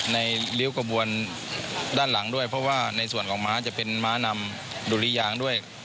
ริ้วกระบวนด้านหลังด้วยเพราะว่าในส่วนของม้าจะเป็นม้านำดุริยางด้วย